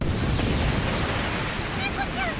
猫ちゃんが！